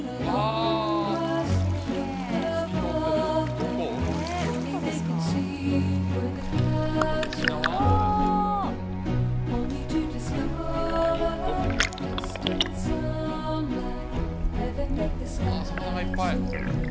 あ、魚がいっぱい。